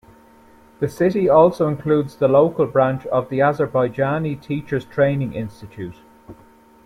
The city also includes the local branch of the Azerbaijani Teachers Training Institute.